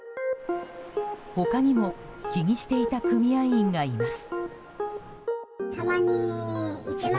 他にも気にしていた組合員がいます。